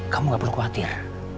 kamu gak perlu khawatir